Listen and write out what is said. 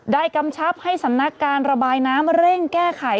กำชับให้สำนักการระบายน้ำเร่งแก้ไข